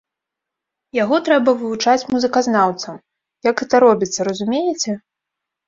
Яго трэба вывучаць музыказнаўцам, як гэта робіцца, разумееце?